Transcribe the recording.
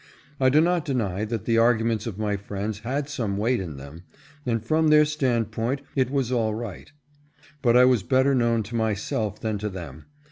I do not deny that the arguments of my friends had some weight in them, and from their standpoint it was all right ; but I was better known to myself than to them.